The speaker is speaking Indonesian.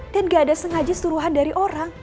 dan gak ada sengaja suruhan dari orang